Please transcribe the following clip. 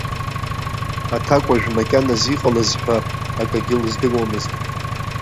Аҭакәажә макьаназ иҟалаз ҳәа акагьы лыздыруамызт.